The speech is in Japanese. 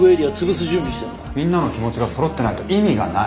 みんなの気持ちがそろってないと意味がない。